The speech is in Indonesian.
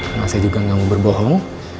karena saya juga nggak mau berbohong